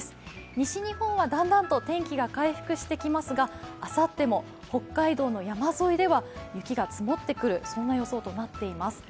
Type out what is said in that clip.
西日本はだんだんと天気が回復してきますがあさっても北海道の山沿いでは雪が積もってくる、そんな予想となっています。